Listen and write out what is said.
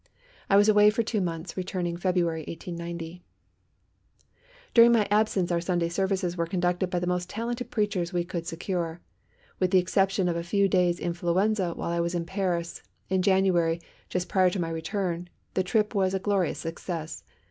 I was away for two months, returning in February, 1890. During my absence our Sunday services were conducted by the most talented preachers we could secure. With the exception of a few days' influenza while I was in Paris, in January, just prior to my return, the trip was a glorious success.